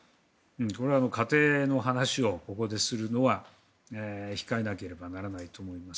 これは仮定の話をここでするのは控えなければならないと思います。